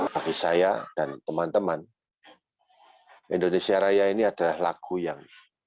bagi saya dan teman teman indonesia raya ini adalah lagu yang